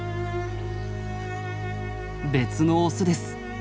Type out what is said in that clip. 別のオスです。